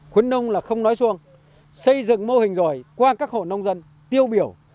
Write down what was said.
khuyến nông là không nói xuông xây dựng mô hình rồi qua các hộ nông dân tiêu biểu